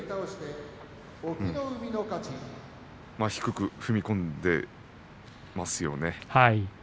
低く踏み込んでいますよね。